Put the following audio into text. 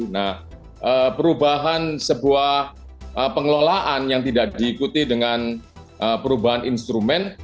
nah perubahan sebuah pengelolaan yang tidak diikuti dengan perubahan instrumen